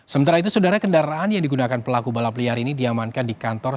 sementara itu saudara kendaraan yang digunakan pelaku balap liar ini diamankan di kantor